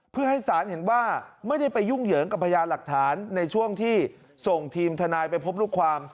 เพื่อให้ศาลเห็นว่าไม่ได้ไปยุ่งเหยิงกับพยานหลักฐานในช่วงที่ส่งทีมทนายไปพบลูกความ